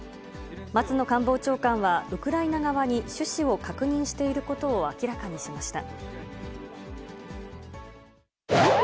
松野官房長官はウクライナ側に趣旨を確認していることを明らかにしました。